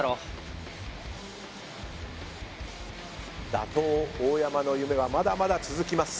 打倒大山の夢はまだまだ続きます。